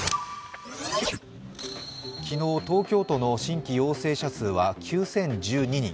昨日、東京都の新規陽性者数は９０１２人。